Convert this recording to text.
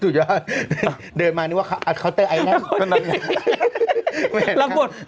ถูกยังหาคาวเตอร์ไอลันด์